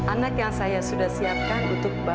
anak yang saya sudah siapkan untuk bayi